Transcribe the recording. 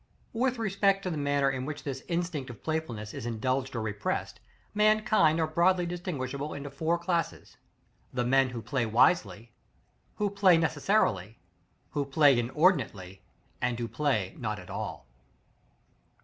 With respect to the manner in which this instinct of playfulness is indulged or repressed, mankind are broadly distinguishable into four classes: the men who play wisely; who play necessarily; who play inordinately; and who play not at all.